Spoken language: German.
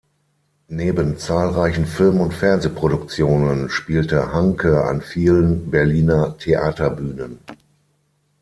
Neben zahlreichen Film- und Fernsehproduktionen spielte Hancke an vielen Berliner Theaterbühnen.